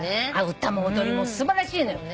歌も踊りも素晴らしいのよ。